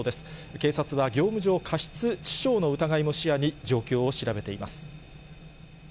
警察は業務上過失致傷の疑いも視野に、状況を調べています。